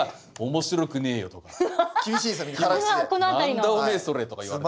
「なんだおめえそれ」とか言われて。